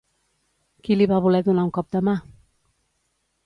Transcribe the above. Qui li va voler donar un cop de mà?